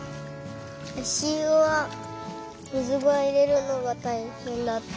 あしゆは水をいれるのがたいへんだった。